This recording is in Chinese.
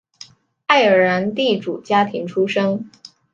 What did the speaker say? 爱尔兰地主家庭出身。